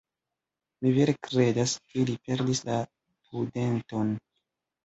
Mi vere kredas, ke li perdis la prudenton.